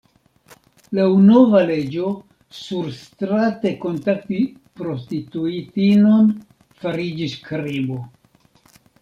Laŭ nova leĝo surstrate kontakti prostituitinon fariĝis krimo.